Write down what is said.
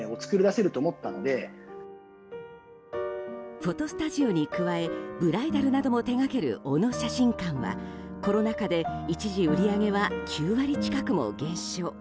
フォトスタジオに加えブライダルなども手掛ける小野写真館はコロナ禍で一時売り上げは９割近くも減少。